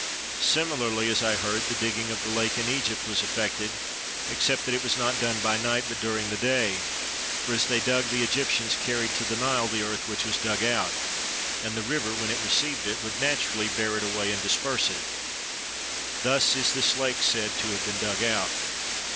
Similarly, as I heard, the digging of the lake in Egypt was effected, except that it was done not by night but during the day; for as they dug the Egyptians carried to the Nile the earth which was dug out; and the river, when it received it, would naturally bear it away and disperse it. Thus is this lake said to have been dug out.